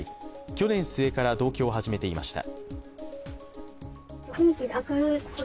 去年末から同居を始めていました。